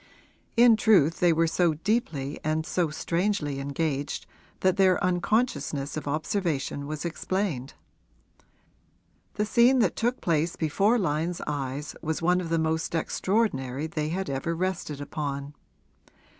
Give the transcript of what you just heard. In truth they were so deeply and so strangely engaged that their unconsciousness of observation was explained. The scene that took place before Lyon's eyes was one of the most extraordinary they had ever rested upon.